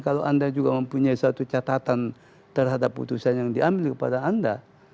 kalau anda juga mempunyai satu catatan terhadap putusan yang diambil kepada anda